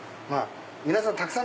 皆さん